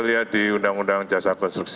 lihat di undang undang jasa konstruksi